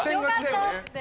よかった。